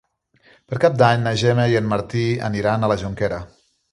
Per Cap d'Any na Gemma i en Martí aniran a la Jonquera.